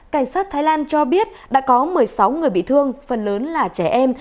cảnh sát thái lan cho biết đã có một mươi sáu người bị thương phần lớn là trẻ em